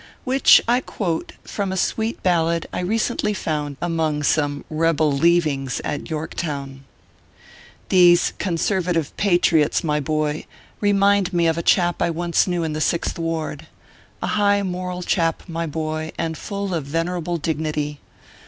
Which I quote from a sweet ballad I recently found among some rebel leave ings at York town. These conservative patriots, my boy, remind me of a chap I once knew in the Sixth Ward. A high moral chap, my boy, and full of venerable dignity.